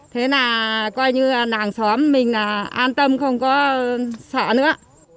thế là coi như làng xóm mình là an tâm không có sợ nữa